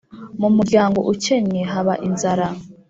Mu muryango ukennye haba inzara.